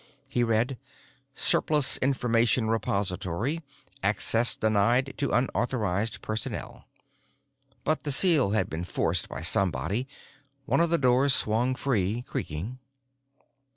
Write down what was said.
He read: "Surplus Information Repository. Access denied to unauthorized personnel." But the seal had been forced by somebody; one of the doors swung free, creaking.